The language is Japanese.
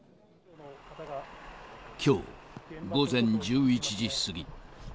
きょう午前１１時過ぎ。